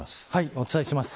お伝えします。